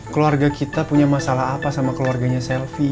keluarga kita punya masalah apa sama keluarganya selvi